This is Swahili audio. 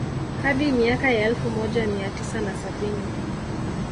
Hadi miaka ya elfu moja mia tisa na sabini